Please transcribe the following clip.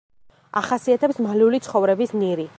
ახასიათებს მალული ცხოვრების ნირი.